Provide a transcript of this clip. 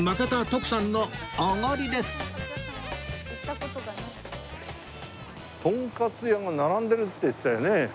とんかつ屋が並んでるって言ってたよね。